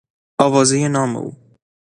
آوازهی نام او